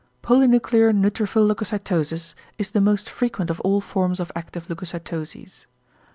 ~Polynuclear neutrophil leucocytosis~, is the most frequent of all forms of active leucocytoses.